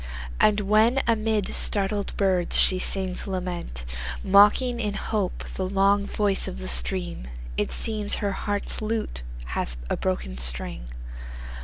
And when amid startled birds she sings lament, Mocking in hope the long voice of the stream, It seems her heart's lute hath a broken string.